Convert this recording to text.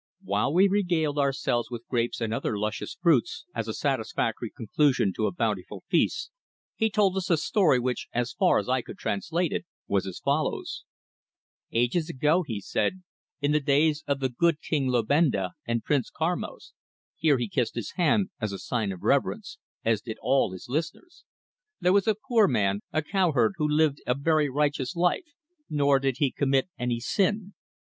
While we regaled ourselves with grapes and other luscious fruits as a satisfactory conclusion to a bountiful feast, he told us a story which, as far as I could translate it, was as follows: "Ages ago," he said, "in the days of the good king Lobenba and Prince Karmos" here he kissed his hand as a sign of reverence, as did all his listeners "there was a poor man, a cowherd, who lived a very righteous life, nor did he commit any sin.